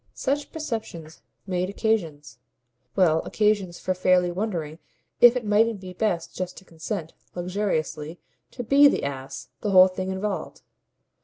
Such perceptions made occasions well, occasions for fairly wondering if it mightn't be best just to consent, luxuriously, to BE the ass the whole thing involved.